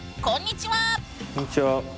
こんにちは。